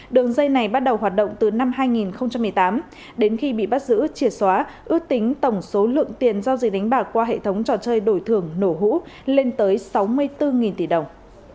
đường dây này bắt đầu hoạt động từ năm hai nghìn một mươi tám đến khi bị bắt giữ triệt xóa ước tính tổng số lượng tiền giao dịch đánh bạc qua hệ thống trò chơi đổi thưởng nổ hũ lên tới sáu mươi bốn tỷ đồng